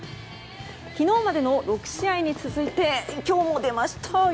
昨日までの６試合に続いて今日も出ました。